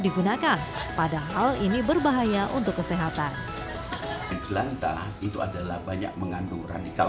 digunakan padahal ini berbahaya untuk kesehatan jelantah itu adalah banyak mengandung radikal